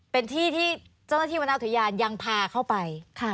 เป็นที่ที่เจ้าหน้าที่วรรณอุทยานยังพาเข้าไป